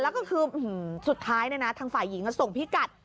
แล้วก็คือสุดท้ายทางฝ่ายหญิงส่งพิกัด